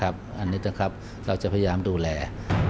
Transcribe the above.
อันนี้เราจะพยายามดูแล